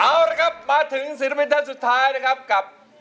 เอาละครับมาถึงศิลปินท่านสุดท้ายนะครับกับ